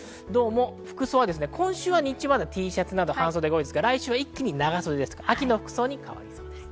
服装は今週は日中、Ｔシャツなどですが来週は長袖など秋の服装に変わりそうです。